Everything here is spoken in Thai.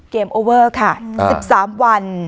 โอเวอร์ค่ะ๑๓วัน